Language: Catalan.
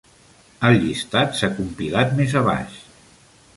El llistat s"ha compilat més abaix.